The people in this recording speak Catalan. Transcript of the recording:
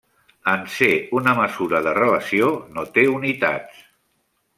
En ser una mesura de relació no té unitats.